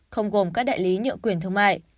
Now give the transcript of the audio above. không gồm các đại lý nhựa quyền thương mại